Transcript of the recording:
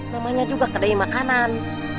namanya juga kedai makanan